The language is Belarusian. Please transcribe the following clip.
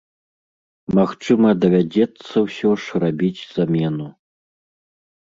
Магчыма, давядзецца ўсё ж рабіць замену.